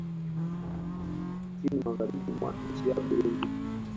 Pia upande wa kusini Magharibi mwa nchi ya Burundi